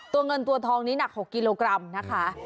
เงินตัวทองนี้หนัก๖กิโลกรัมนะคะ